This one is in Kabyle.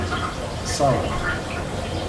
Ṣerref.